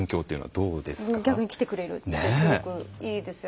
逆に来てくれるってすごくいいですよね。